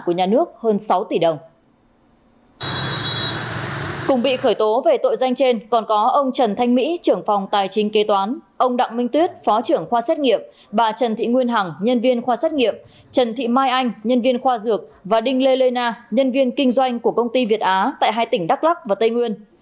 cùng bị khởi tố về tội danh trên còn có ông trần thanh mỹ trưởng phòng tài chính kế toán ông đặng minh tuyết phó trưởng khoa xét nghiệm bà trần thị nguyên hằng nhân viên khoa xét nghiệm trần thị mai anh nhân viên khoa dược và đinh lê lê na nhân viên kinh doanh của công ty việt á tại hai tỉnh đắk lắc và tây nguyên